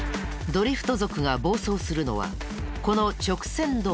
ドリフト族が暴走するのはこの直線道路。